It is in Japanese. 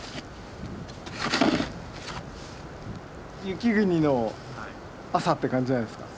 雪国の朝って感じじゃないですか？